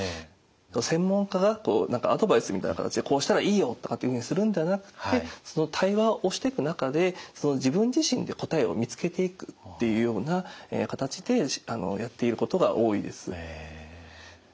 専門家が何かアドバイスみたいな形で「こうしたらいいよ」とかってふうにするんではなくってその対話をしていく中で自分自身で答えを見つけていくっていうような形でやっていることが多いです。